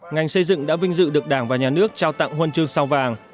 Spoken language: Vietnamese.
ngành xây dựng đã vinh dự được đảng và nhà nước trao tặng huân chương sao vàng